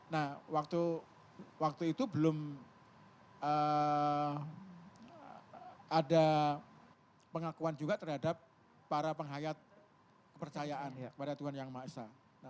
nah waktu itu belum ada pengakuan juga terhadap para penghayat kepercayaan kepada tuhan yang maha esa